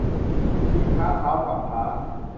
จึงท้าท้าวกำพร้า